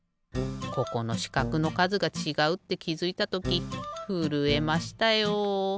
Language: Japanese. ここのしかくのかずがちがうってきづいたときふるえましたよ。